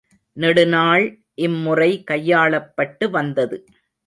நெடுநாள் இம்முறை கையாளப்பட்டு வந்தது.